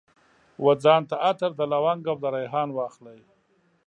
وځان ته عطر، د لونګ او دریحان واخلي